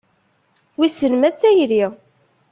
Wissen ma d tayri?